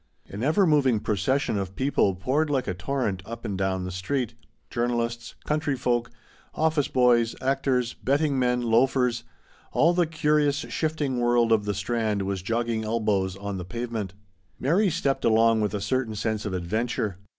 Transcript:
An ever moving pro cession of people poured like a torrent up and down the street ; journalists, . country folk, office boys, actors, betting men, loafers — all the curious, shifting world of the Strand was jogging elbows on the pavement. Mary stepped along with a certain sense of adventure.